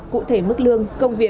cụ thể mức lương công trình